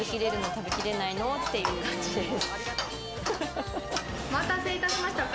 食べきれないの？っていう感じです。